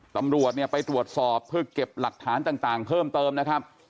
ตำรวจเนี่ยไปตรวจสอบเพื่อเก็บหลักฐานต่างเพิ่มเติมนะครับ